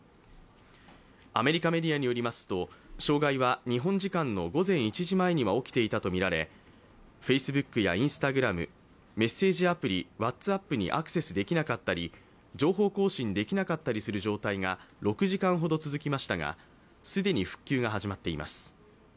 アメリカメディアによりますと、障害は日本時間の午前１時前には起きていたとみられＦａｃｅｂｏｏｋやＩｎｓｔａｇｒａｍメッセージアプリＷｈａｔｓＡｐｐにアクセスできなかったり情報更新できなかったりする状態が６時間ほど続きましたが、既に復旧が始まっています。